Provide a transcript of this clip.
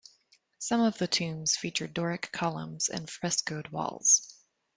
Some of the tombs feature Doric columns and frescoed walls.